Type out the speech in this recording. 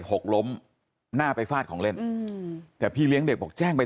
หกล้มหน้าไปฟาดของเล่นอืมแต่พี่เลี้ยงเด็กบอกแจ้งไป